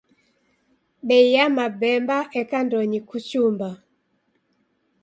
Bei ya mabemba eka ndonyi kuchumba.